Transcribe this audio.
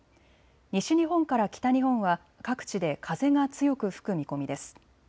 西日本から北日本は各地で風が強く吹く見込みです。